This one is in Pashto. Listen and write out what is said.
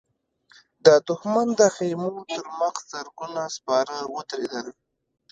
د دښمن د خيمو تر مخ زرګونه سپاره ودرېدل.